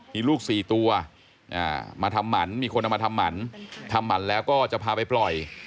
มีลูก๔ตัวมาทำหมันมีคนเอามาทำหมันทำหมันแล้วก็จะพาไปปล่อย